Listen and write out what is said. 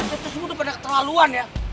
bacot tuh semua pada keterlaluan ya